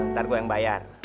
ntar gue yang bayar